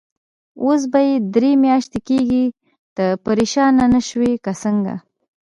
اوس به یې درې میاشتې کېږي، ته پرېشانه نه شوې که څنګه؟